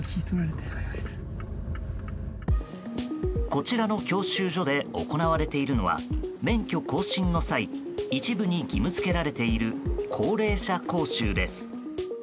こちらの教習所で行われているのは免許更新の際一部に義務付けられている高齢者講習です。